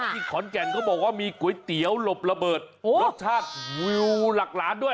ที่ขอนแก่นเขาบอกว่ามีก๋วยเตี๋ยวหลบระเบิดรสชาติวิวหลักล้านด้วย